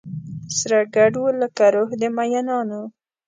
سره ګډو لکه روح د مینانو